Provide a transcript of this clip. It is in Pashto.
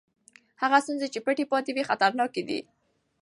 هغه ستونزې چې پټې پاتې وي خطرناکې دي.